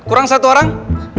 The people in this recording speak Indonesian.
kurang satu orang